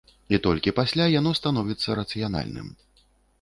І толькі пасля яно становіцца рацыянальным.